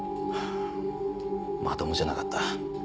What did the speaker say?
まともじゃなかった。